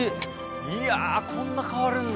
いやこんな変わるんだ。